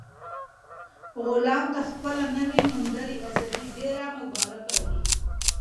غلام ته خپله نوي موندلې ازادي ډېره مبارک وه.